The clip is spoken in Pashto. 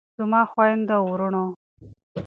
زما خویندو او وروڼو.